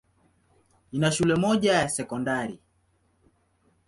Ina shule moja ya sekondari.